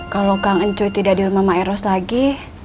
kalau kangen cuy tidak di rumah maeros lagi